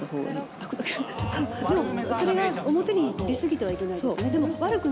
あくどく、それが表に出過ぎてはいけないですね。